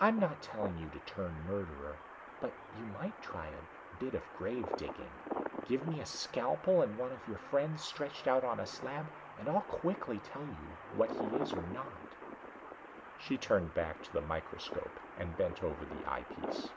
"I'm not telling you to turn murderer but you might try a bit of grave digging. Give me a scalpel and one of your friends stretched out on a slab and I'll quickly tell you what he is or is not." She turned back to the microscope and bent over the eyepiece.